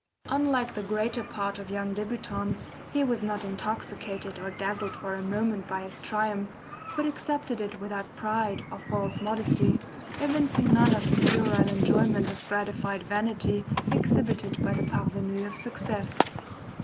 Unlike the greater part of young debutants, he was not intoxicated or dazzled for a moment by his triumph, but accepted it without pride or false modesty, evincing none of the puerile enjoyment of gratified vanity exhibited by the PARVENUS of success.